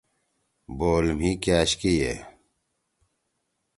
بول مھی کأش کے یے۔